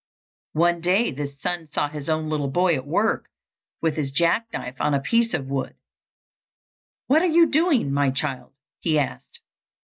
One day this son saw his own little boy at work with his jackknife on a piece of wood. "What are you doing, my child?" he asked.